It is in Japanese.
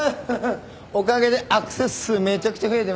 おかげでアクセス数めちゃくちゃ増えてますよ。